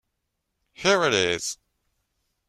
Here it is.